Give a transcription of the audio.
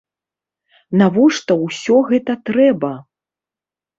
Навошта ўсё гэта трэба?